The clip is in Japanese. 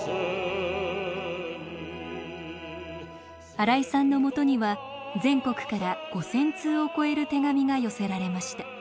新井さんのもとには全国から５，０００通を超える手紙が寄せられました。